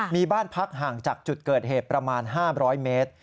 มีบ้านพักห่างจากจุดเกิดเหตุประมาณ๕๐๐เมตร